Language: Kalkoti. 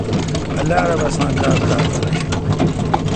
اللہ رب اسان لات کار دا رݭہ۔